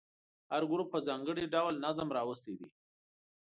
هر ګروپ په ځانګړي ډول نظم راوستی دی.